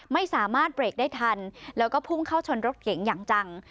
ไม่สามารถเบรกได้ทันแล้วก็พุ่งเข้าชนรถเก๋งอย่างจัง